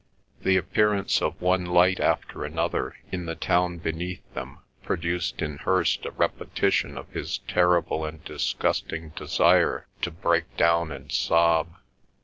The appearance of one light after another in the town beneath them produced in Hirst a repetition of his terrible and disgusting desire to break down and sob.